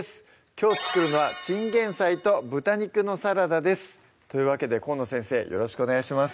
きょう作るのは「チンゲン菜と豚肉のサラダ」ですというわけで河野先生よろしくお願いします